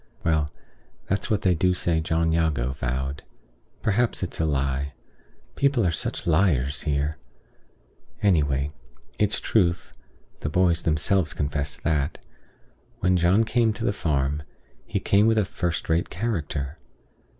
Well, that's what they do say John Jago vowed. Perhaps it's a lie. People are such liars here! Anyway, it's truth (the boys themselves confess that), when John came to the farm, he came with a first rate character.